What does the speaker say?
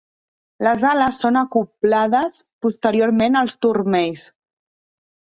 Les ales són acoblades posteriorment als turmells.